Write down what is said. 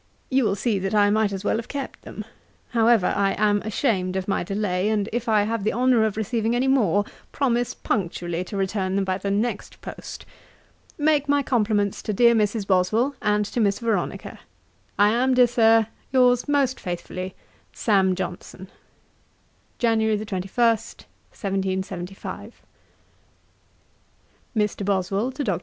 You will see that I might as well have kept them. However, I am ashamed of my delay; and if I have the honour of receiving any more, promise punctually to return them by the next post. Make my compliments to dear Mrs. Boswell, and to Miss Veronica. 'I am, dear Sir, 'Yours most faithfully, 'SAM. JOHNSON.' 'Jan. 21, 1775. 'MR, BOSWELL TO DR.